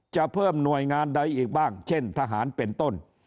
จะเพิ่มหน่วยงานใดอีกบ้างเช่นทหารเป็นต้น